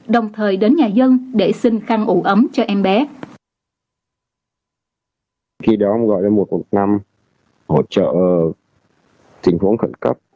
đồng thời đến nhà dân để xin khăn ủ ấm cho em bé